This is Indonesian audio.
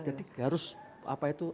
jadi harus apa itu